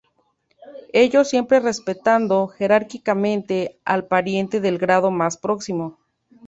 Ello siempre respetando jerárquicamente al pariente de grado más próximo.